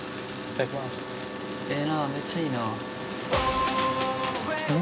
ええな、めっちゃええな。